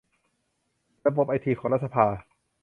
ระบบไอทีของรัฐสภา